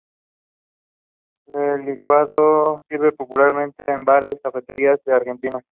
El licuado se sirve popularmente en bares y cafeterías de Argentina.